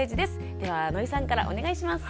では野井さんからお願いします。